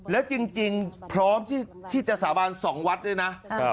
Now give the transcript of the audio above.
แล้วจริงพร้อมที่จะสาบาน๒วัดด้วยนะ